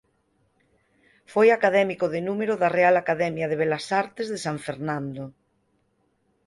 Foi académico de número da Real Academia de Belas Artes de San Fernando.